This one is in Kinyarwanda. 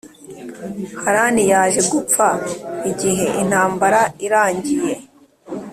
Harani yaje gupfa igihe intambara irangiye